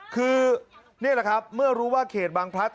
คือนี่แหละครับเมื่อรู้ว่าเขตบางพลัด